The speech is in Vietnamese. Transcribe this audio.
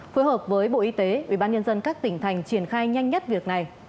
phối hợp với bộ y tế ubnd các tỉnh thành triển khai nhanh nhất việc này